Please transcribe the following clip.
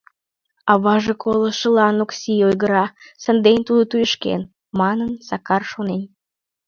«Аваже колышылан Окси ойгыра, сандене тудо туешкен», — манын, Сакар шонен.